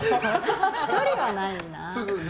１人はないな。